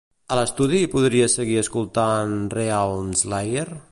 A l'estudi podria seguir escoltant "Realmslayer"?